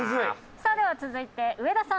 さあでは続いて上田さん